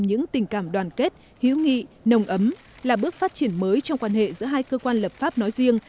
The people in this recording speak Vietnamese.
những tình cảm đoàn kết hiếu nghị nồng ấm là bước phát triển mới trong quan hệ giữa hai cơ quan lập pháp nói riêng